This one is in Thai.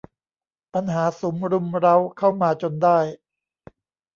ปัญหาสุมรุมเร้าเข้ามาจนได้